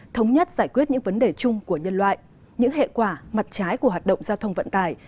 thống nhất giải quyết những vấn đề chung của nhân loại những hệ quả mặt trái của hoạt động giao thông vận tải